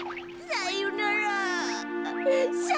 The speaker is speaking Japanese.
さよなら！